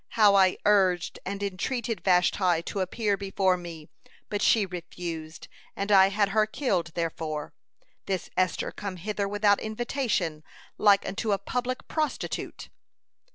How I urged and entreated Vashti to appear before me, but she refused, and I had her killed therefor. This Esther come hither without invitation, like unto a public prostitute."